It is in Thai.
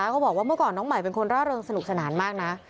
เขาบอกว่าเมื่อก่อนน้องใหม่เป็นคนร่าเริงสนุกสนานมากนะ